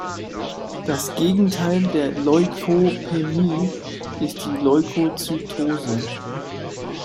Das Gegenteil der Leukopenie ist die Leukozytose.